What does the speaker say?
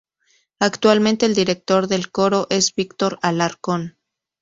Actualmente el director del coro es Víctor Alarcón.